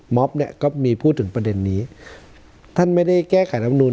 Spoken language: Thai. เนี่ยก็มีพูดถึงประเด็นนี้ท่านไม่ได้แก้ไขรำนูล